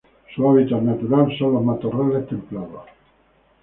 Su hábitat natural son los matorrales templados